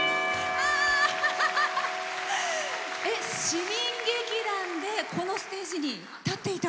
市民劇団でこのステージに立っていた？